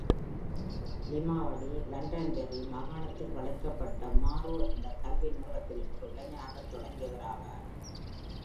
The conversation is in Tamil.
லிமாவடி, லண்டன்பெர்ரி மாகாணத்தில் வளர்க்கப்பட்ட மாரோ, இந்த கல்வி நிறுவனத்தில் ஒரு இளைஞனாகத் தொடங்கியவர் ஆவார்.